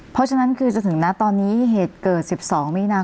เพราะฉะนั้นคือและจะถึงนะตอนนี้เวทเกิด๑๒มี